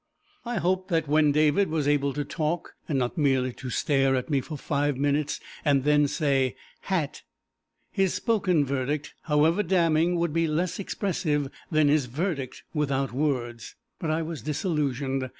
I hoped that when David was able to talk and not merely to stare at me for five minutes and then say "hat" his spoken verdict, however damning, would be less expressive than his verdict without words, but I was disillusioned.